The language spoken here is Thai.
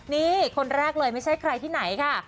นี่คนแรกเลยไม่ใช่ใครที่ไหนค่ะ